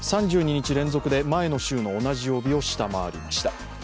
３２日連続で前の週の同じ曜日を下回りました。